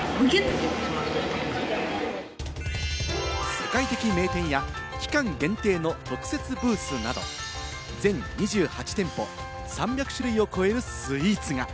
世界的名店や期間限定の特設ブースなど、全２８店舗、３００種類を超えるスイーツが。